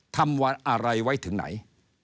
ทำอะไรไว้ถึงไหน